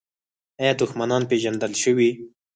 آیا دښمنان پیژندل شوي؟